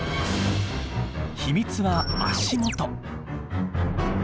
秘密は足元。